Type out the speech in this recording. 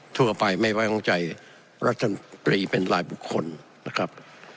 ทั่วไปไม่ว่าอย่างใจรัฐกรีย์เป็นหลายบุคคลนะครับ